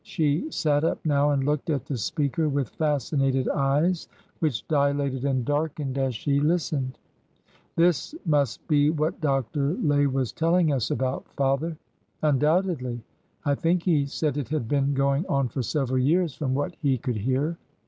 She sat up now, and looked at the speaker with fascinated eyes which dilated and darkened as she listened. " This must be what Dr. Lay was telling us about, father!" Undoubtedly. I think he said it had been going on for several years, from what he could hear."